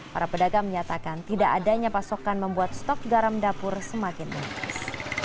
para pedagang menyatakan tidak adanya pasokan membuat stok garam dapur semakin meningkat